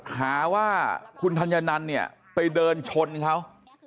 หาว่าคุณธัญนันเนี่ยไปเดินชนเขา